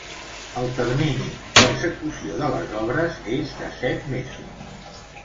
El termini d'execució de les obres és de set mesos.